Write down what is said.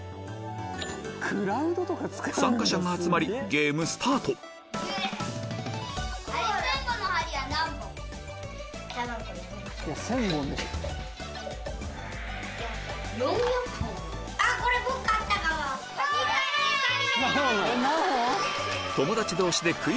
参加者が集まりゲームスタートイェイ！